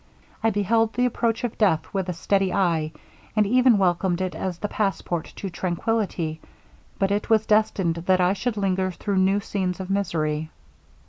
I beheld the approach of death with a steady eye, and even welcomed it as the passport to tranquillity; but it was destined that I should linger through new scenes of misery.